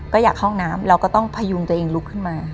ก็อยากเข้าห้องน้ำเราก็ต้องพยุงตัวเองลุกขึ้นมา